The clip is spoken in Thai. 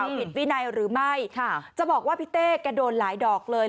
ผิดวินัยหรือไม่จะบอกว่าพี่เต้แกโดนหลายดอกเลย